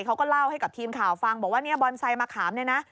เขาก็เล่าให้กับทีมข่าวฟังบอกว่าเนี่ยบอนไซต์มะขามเนี่ยนะ